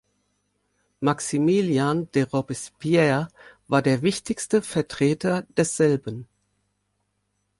Maximilien de Robespierre war der wichtigste Vertreter desselben.